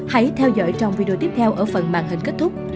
hãy theo dõi trong video tiếp theo ở phần màn hình kết thúc